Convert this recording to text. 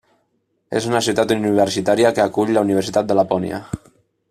És una ciutat universitària que acull la Universitat de Lapònia.